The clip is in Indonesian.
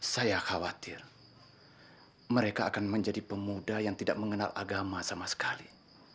saya khawatir mereka akan menjadi pemuda yang tidak mengenal agama sama sekali